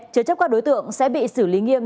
chứa chấp các đối tượng sẽ bị xử lý nghiêm